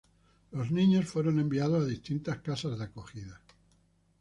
Los niños fueron enviados a distintas casas de acogida.